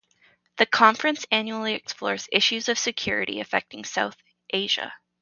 The conference annually explores issues of security affecting South Asia.